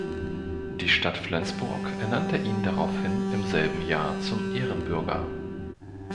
Die Stadt Flensburg ernannte ihn daraufhin im selben Jahr zum Ehrenbürger.